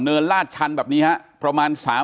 ลาดชันแบบนี้ฮะประมาณ